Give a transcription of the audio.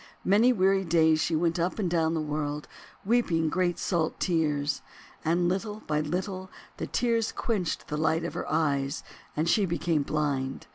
Many weary days she went up and down the world, weeping great salt tears. And little by little the tears quenched the light of her eyes, and she became blind.